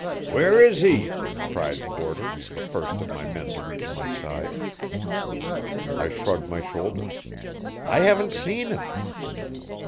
"Where is he?" cried Porter, the first of my men to reach my side. I shrugged my shoulders. "I haven't seen him."